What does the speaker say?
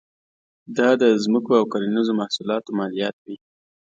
دا د ځمکو او کرنیزو محصولاتو مالیات وې.